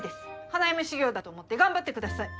花嫁修業だと思って頑張ってください。